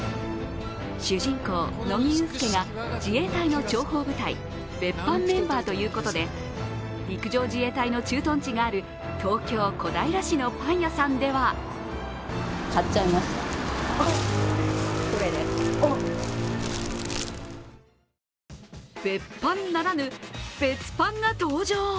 主人公・乃木憂助が自衛隊の諜報部隊別班メンバーということで、陸上自衛隊の駐屯地がある東京・小平市のパン屋さんでは別班ならぬ別パンが登場。